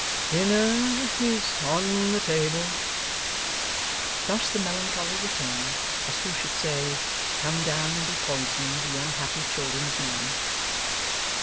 'Dinner is on the table!' Thus the melancholy retainer, as who should say, 'Come down and be poisoned, ye unhappy children of men!